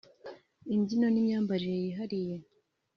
imbyino n’imyambarire yihariye